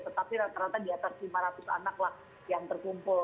tetapi rata rata di atas lima ratus anak lah yang terkumpul